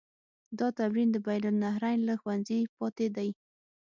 دا تمرین د بین النهرین له ښوونځي پاتې دی.